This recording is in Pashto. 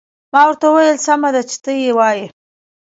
ما ورته وویل: سمه ده، چې ته يې وایې.